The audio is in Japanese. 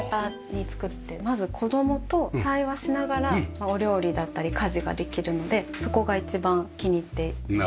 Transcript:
まず子供と対話しながらお料理だったり家事ができるのでそこが一番気に入っています。